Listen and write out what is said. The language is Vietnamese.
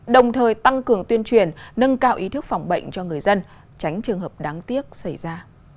đồng thời tăng cường tuyên truyền nâng cao ý thức phòng bệnh cho người dân tránh trường hợp đáng tiếc xảy ra